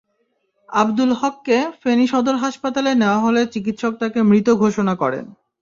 আবদুল হককে ফেনী সদর হাসপাতালে নেওয়া হলে চিকিৎসক তাঁকে মৃত ঘোষণা করেন।